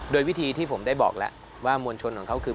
โดยวิธีที่ผมได้บอกแล้วว่ามวลชนของเขาคือ